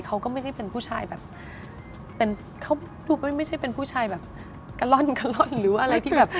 เขาก็ไม่ได้เป็นผู้ชายแบบกะล่อนหรือว่าอะไรที่แบบ